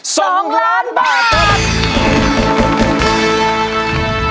สองล้านบาท